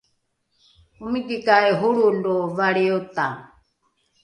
omikikai holrolo valriota?